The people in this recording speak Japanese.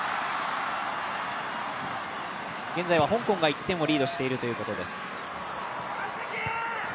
現在は香港が１点をリードしているということです。